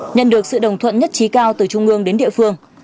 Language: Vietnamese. nhận được sự đồng thuận nhất trí cao từ trung ương đến địa phương